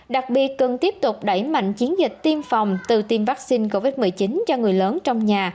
đặc biệt cần tiếp tục đẩy mạnh chiến dịch tiêm phòng từ tiêm vaccine covid một mươi chín cho người lớn trong nhà